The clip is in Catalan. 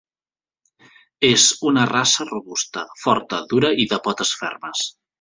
És una raça robusta, forta, dura i de potes fermes.